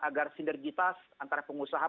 agar sinergitas antara pengusaha